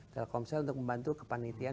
telkomsel untuk membantu kepanitiaan